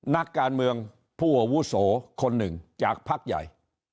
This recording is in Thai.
นักการเมืองผู้อาวุโสคนหนึ่งจากพักใหญ่